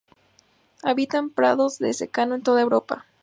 Habita en prados de secano en toda Europa.